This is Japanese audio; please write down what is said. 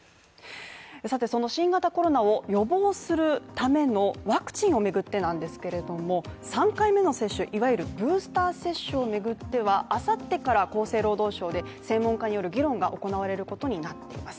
その新型コロナを予防するためのワクチンをめぐってなんですけれども３回目の接種いわゆるブースター接種を巡ってはあさってから厚生労働省で専門家による議論が行われることになっています